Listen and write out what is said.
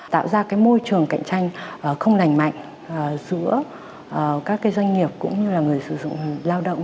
tạo ra cái môi trường cạnh tranh không lành mạnh giữa các doanh nghiệp cũng như là người sử dụng lao động